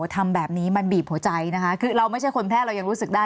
ทำแบบนี้มันบีบหัวใจนะคะคือเราไม่ใช่คนแพร่เรายังรู้สึกได้